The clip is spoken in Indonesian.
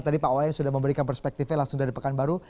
tadi pak wayan sudah memberikan perspektifnya langsung dari pekanbaru